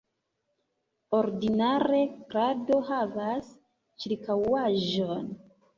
Ordinare krado havas ĉirkaŭaĵon.